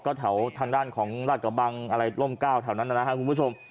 ก็แถวทางด้านของราชกระบังอะไรร่ม๙แถวนั้นนะครับคุณผู้ชม